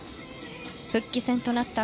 復帰戦となった